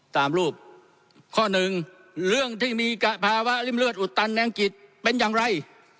ตามรูปข้อหนึ่งเรื่องที่มีภาวะริ่มเลือดอุดตันแรงกิจเป็นอย่างไร